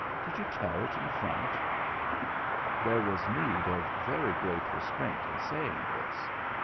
Did you tear it in front?' There was need of very great restraint in saying this.